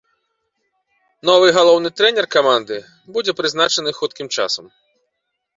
Новы галоўны трэнер каманды будзе прызначаны хуткім часам.